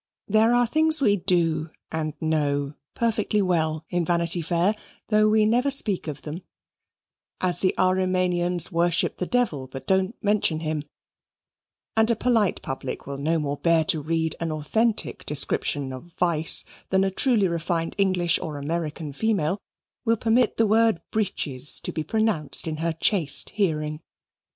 There are things we do and know perfectly well in Vanity Fair, though we never speak of them: as the Ahrimanians worship the devil, but don't mention him: and a polite public will no more bear to read an authentic description of vice than a truly refined English or American female will permit the word breeches to be pronounced in her chaste hearing.